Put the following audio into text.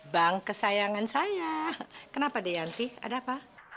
bang kesayangan saya kenapa dek yanti ada apa